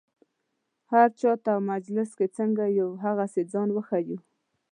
هر چا ته او مجلس کې څنګه یو هغسې ځان وښیو.